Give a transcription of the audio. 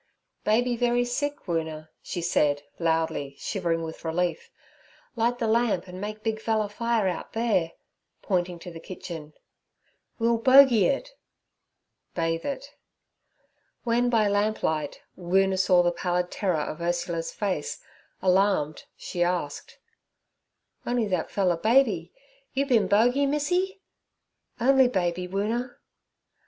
'Baby very sick, Woona' she said loudly, shivering with relief. 'Light the lamp, and make big fella fire out there' pointing to the kitchen. 'We'll bogey [bath] it.' When by the lamplight Woona saw the pallid terror of Ursula's face, alarmed, she asked: 'On'y that fella baby, you bin bogey Missy?' 'Only baby, Woona.'